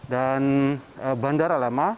dan bandara lama